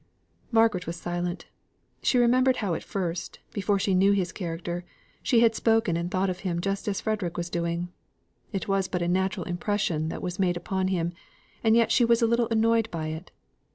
Margaret was silent. She remembered how at first, before she knew his character, she had spoken and thought of him just as Frederick was doing. It was but a natural impression that was made upon him, and yet she was a little annoyed by it.